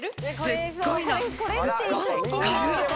すっごいのすっごいかるっ